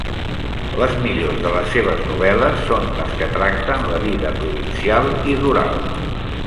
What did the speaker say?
Les millors de les seves novel·les són les que tracten la vida provincial i rural.